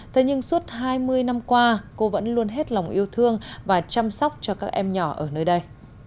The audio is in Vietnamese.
thế nhưng suốt hai mươi năm qua cô vẫn luôn hết lòng yêu thương và chăm sóc cho các em nhỏ ở nơi đây